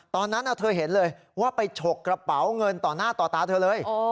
ตอนนั้นเธอเห็นเลยว่าไปฉกกระเป๋าเงินต่อหน้าต่อตาเธอเลย